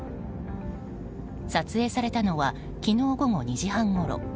撮影されたのは昨日午後２時半ごろ。